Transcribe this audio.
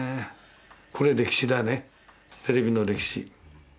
これ歴史だねテレビの歴史。